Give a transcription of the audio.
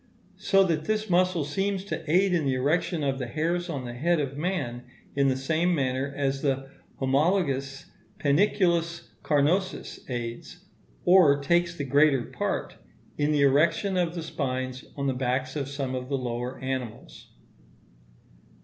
So that this muscle seems to aid in the erection of the hairs on the head of man in the same manner as the homologous panniculus carnosus aids, or takes the greater part, in the erection of the spines on the backs of some of the lower animals.